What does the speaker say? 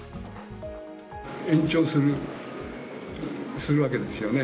延長するわけですよね。